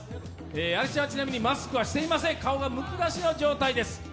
アリスちゃんはちなみにマスクはしていません顔はむき出しの状態です。